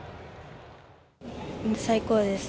最高です。